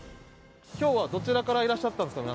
今日はどちらからいらっしゃったんですか？